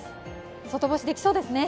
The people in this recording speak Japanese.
外干しできそうですね。